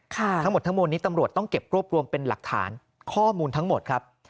ทั้งหมดทั้งมวลนี้ตำรวจต้องเก็บรวบรวมเป็นหลักฐานข้อมูลทั้งหมดครับ